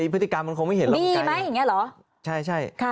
พฤติกรรมมันคงไม่เห็นหรอกมีไหมอย่างเงี้เหรอใช่ใช่ค่ะ